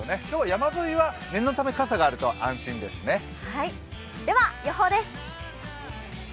今日は山沿いの念のため傘があると安心ですね。